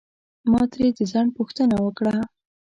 ما ترې د ځنډ پوښتنه وکړه.